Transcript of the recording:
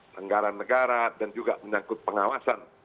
negara negara dan juga menyangkut pengawasan